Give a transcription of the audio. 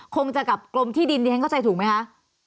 คงจะกับกรมที่ดินดิฉันเข้าใจถูกไหมคะ